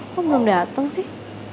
kok belum dateng sih